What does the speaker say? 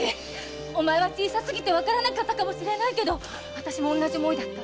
お前は小さすぎてわからなかったかもしれないが私も同じ思いだった！